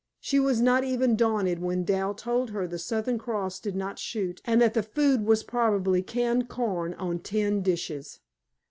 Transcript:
She was not even daunted when Dal told her the Southern Cross did not shoot, and that the food was probably canned corn on tin dishes.